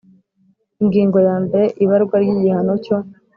Ingingo yambere Ibarwa ry igihano cyo